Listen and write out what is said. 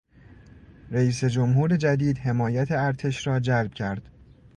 رییس جمهور جدید حمایت ارتش را جلب کرد.